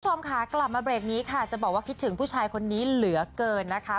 คุณผู้ชมค่ะกลับมาเบรกนี้ค่ะจะบอกว่าคิดถึงผู้ชายคนนี้เหลือเกินนะคะ